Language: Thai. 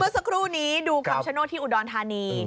เมื่อสักครู่นี้ดูคำชะโน้ทที่อุดรธานี